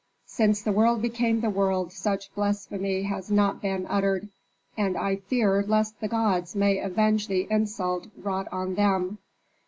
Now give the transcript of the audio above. Since the world became the world such blasphemy has not been uttered! And I fear lest the gods may avenge the insult wrought on them."